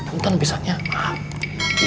untuk ngebisannya maaf